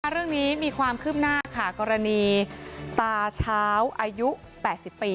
เรื่องนี้มีความคืบหน้าค่ะกรณีตาเช้าอายุ๘๐ปี